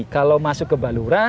kalau masuk ke baluran